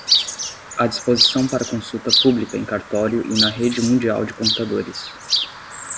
à disposição para consulta pública em cartório e na rede mundial de computadores